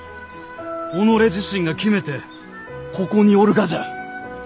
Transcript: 己自身が決めてここにおるがじゃ。